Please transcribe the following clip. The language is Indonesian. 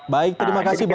baik terima kasih bapak